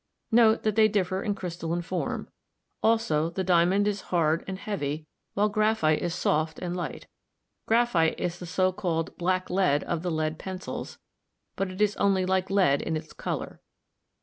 Note that they differ in crystalline form; also the diamond is hard and heavy, while graphite is soft and light Graph ite is the so called black lead of the lead pencils, but it is only like lead in its color.